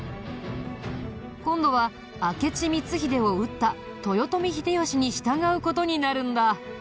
今度は明智光秀を討った豊臣秀吉に従う事になるんだ。